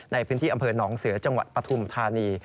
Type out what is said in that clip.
ในพื้นที่อำเภอหนองเสือจังหวัดปฐุมธานี